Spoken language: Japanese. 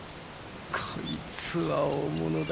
こいつは大物だ。